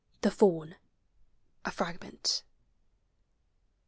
THE FAUN. A FRAGMENT.